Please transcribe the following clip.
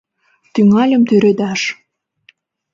Тӱҥальым тӱредаш.